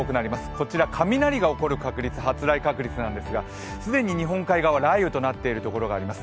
こちら雷が起こる確率、発雷確率なんですが既に日本海側雷雨となっているところがあります。